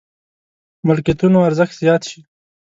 ملکيتونو ارزښت زيات شي.